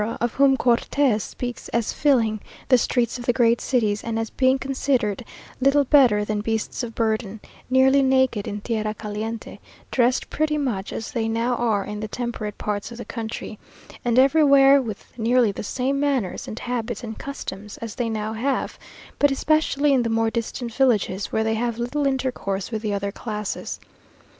of whom Cortes speaks as filling the streets of the great cities, and as being considered little better than beasts of burden; nearly naked in tierra caliente, dressed pretty much as they now are in the temperate parts of the country; and everywhere with nearly the same manners, and habits, and customs, as they now have, but especially in the more distant villages where they have little intercourse with the other classes.